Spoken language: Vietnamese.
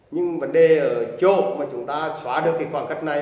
nhưng vấn đề ở chỗ mà chúng ta xóa được cái khoảng cách này